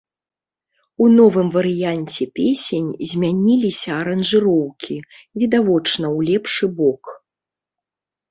У новым варыянце песень змяніліся аранжыроўкі, відавочна ў лепшы бок.